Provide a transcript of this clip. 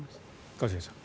一茂さん。